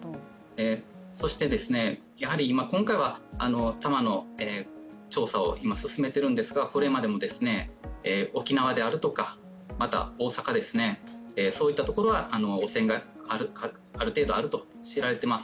そして、今回は多摩の調査を今、勧めているんですがこれまでも沖縄、また大阪といったところは汚染がある程度あると知られています。